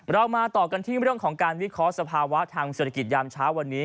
เรามาต่อกันที่เรื่องของการวิเคราะห์สภาวะทางเศรษฐกิจยามเช้าวันนี้